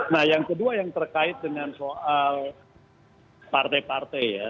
nah yang kedua yang terkait dengan soal partai partai ya